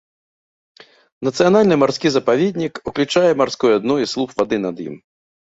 Нацыянальны марскі запаведнік уключае марское дно і слуп вады над ім.